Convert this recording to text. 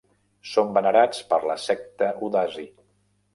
Són venerats per la secta Udasi.